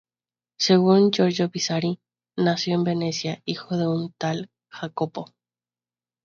Según Giorgio Vasari, nació en Venecia, hijo de un tal Jacopo.